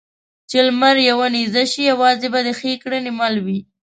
چې لمر يوه نېزه شي؛ يوازې به دې ښې کړنې ملې وي.